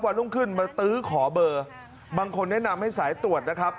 รุ่งขึ้นมาตื้อขอเบอร์บางคนแนะนำให้สายตรวจนะครับ